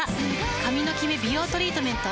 髪のキメ美容トリートメント。